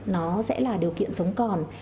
nó sẽ là điều kiện sống còn